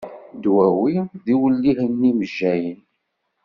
Ddwawi d iwellihen n yimejjayen.